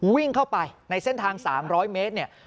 วิ่งเข้าไปในเส้นทาง๓๐๐เมตรเนี่ย